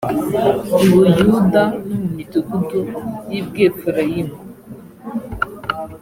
i buyuda no mu midugudu y i bwefurayimu .